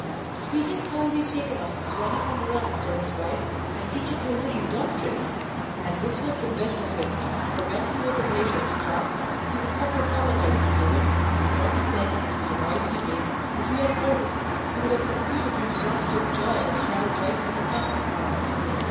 To see him wholly taken up with running on errands for his wife, and teaching her little dog tricks! And this was the best of him; for when he was at leisure to talk, he would suffer no one else to do it, and what he said, and the noise he made, if you had heard it, you would have concluded him drunk with joy that he had a wife and a pack of hounds.